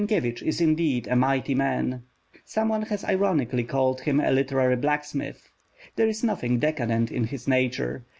Sienkiewicz is indeed a mighty man someone has ironically called him a literary blacksmith. There is nothing decadent in his nature.